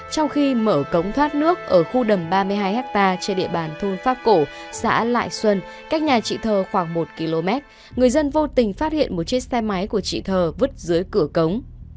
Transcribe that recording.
trong khi mở cống thoát nước ở khu đầm ba mươi hai ha trên địa bàn thôn pháp cổ xã lại xuân cách nhà chị thơ khoảng một km người dân vô tình phát hiện một chiếc xe máy của chị thờ vứt dưới cửa cống